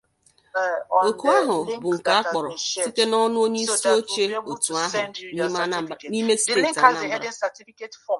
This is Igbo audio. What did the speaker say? Òkù a bụ nke a kpọrọ site n'ọnụ onyeisioche òtù ahụ n'ime steeti Anambra